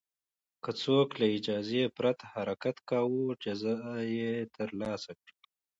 که څوک له اجازې پرته حرکت کاوه، سزا یې ترلاسه کړه.